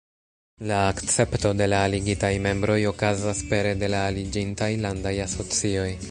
La akcepto de la aligitaj membroj okazas pere de la aliĝintaj landaj asocioj.